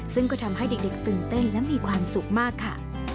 ซึ่งก็ทำให้เด็กตื่นเต้นและมีความสุขมากค่ะ